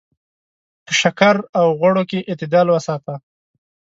په شکر او غوړو کې اعتدال وساته.